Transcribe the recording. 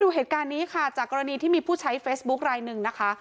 เหตุการณ์นี้ค่ะจากกรณีที่มีผู้ใช้เฟซบุ๊คลายหนึ่งนะคะ